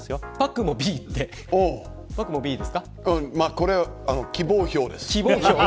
これは希望票です。